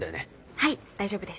はい大丈夫です。